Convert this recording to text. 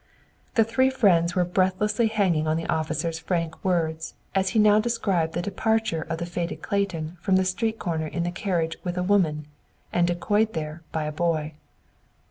The three friends were breathlessly hanging on the officer's frank words as he now described the departure of the fated Clayton from the street corner in the carriage with a woman, and decoyed there by the boy.